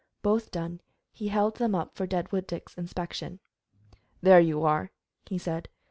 Both done, he held them up for Deadwood Dick's inspection. "There you are," he said.